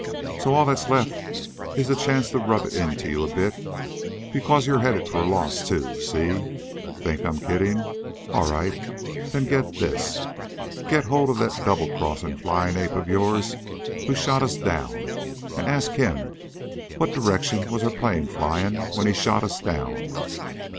So all that's left is the chance to rub it into you a bit, because you're headed for a loss, too, see? Think I'm kidding. All right, then, get this! Get hold of that double crossing flying ape of yours who shot us down, and ask him _what direction was our plane flying when he shot us down!